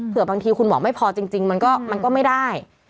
เผื่อบางทีคุณหมอไม่พอจริงมันก็ไม่ได้